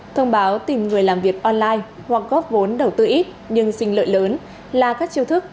thông báo tìm người làm việc online hoặc góp vốn đầu tư ít nhưng xin lợi lớn là các chiêu thức